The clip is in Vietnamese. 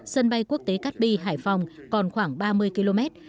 sân bay quốc tế cát bi hải phòng còn khoảng ba mươi km